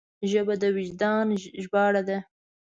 ژبه د وجدان ژباړه ده